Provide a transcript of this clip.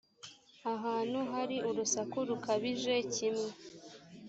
ahantu hari urusaku rukabije kimwe